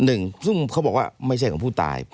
ซึ่งเขาบอกว่าไม่ใช่ของผู้ตาย